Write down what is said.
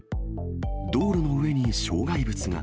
道路の上に障害物が。